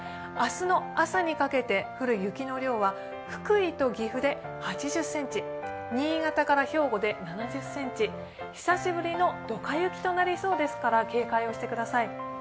明日の朝にかけて降る雪の量は福井と岐阜で８０ｃｍ、新潟と兵庫で７０ｃｍ久しぶりのドカ雪となりそうですから、警戒をしてください。